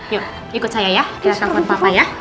yuk ikut saya ya kita telepon papa ya